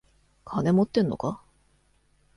金持ってんのか？